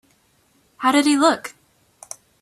How did he look?